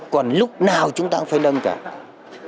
còn lúc nào chúng ta cũng phải nâng cao